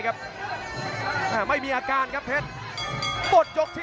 อื้อหือจังหวะขวางแล้วพยายามจะเล่นงานด้วยซอกแต่วงใน